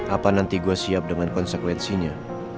apa nanti gue siap dengan konsekuensinya